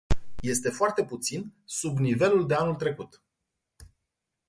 Este foarte puțin sub nivelul de anul trecut.